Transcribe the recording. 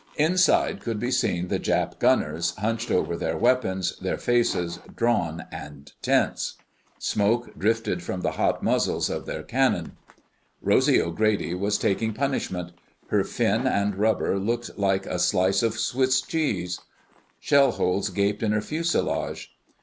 Inside could be seen the Jap gunners, hunched over their weapons, their faces drawn and tense. Smoke drifted from the hot muzzles of their cannon. Rosy O'Grady was taking punishment. Her fin and rudder looked like a slice of Swiss cheese. Shell holes gaped in her fuselage.